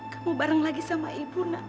kamu bareng lagi sama ibu nak